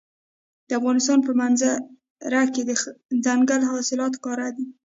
د افغانستان په منظره کې دځنګل حاصلات ښکاره دي.